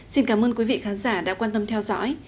xin cảm ơn quý vị khán giả đã quan tâm theo dõi